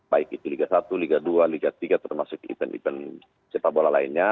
baik itu liga satu liga dua liga tiga termasuk event event sepak bola lainnya